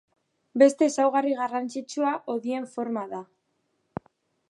Beste ezaugarri garrantzitsua hodien forma da.